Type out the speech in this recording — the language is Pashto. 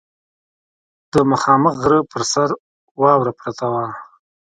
د مخامخ غره پر سر واوره پرته وه.